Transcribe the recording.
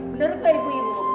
bener ke ibu ibu